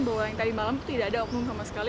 bahwa yang tadi malam itu tidak ada oknum sama sekali